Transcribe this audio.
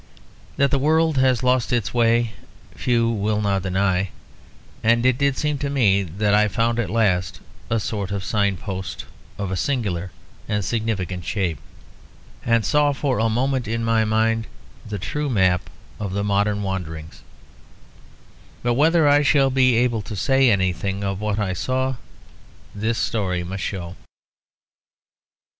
That the world has lost its way few will now deny; and it did seem to me that I found at last a sort of sign post, of a singular and significant shape, and saw for a moment in my mind the true map of the modern wanderings; but whether I shall be able to say anything of what I saw, this story must show.